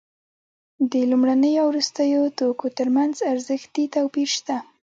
د لومړنیو او وروستیو توکو ترمنځ ارزښتي توپیر شته